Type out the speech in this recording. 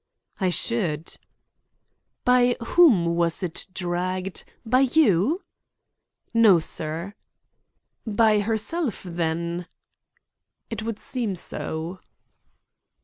"I should." "By whom was it dragged? By you?" "No, sir." "By herself, then?" "It would seem so."